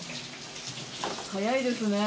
早いですね。